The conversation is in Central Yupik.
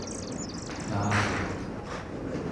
taalek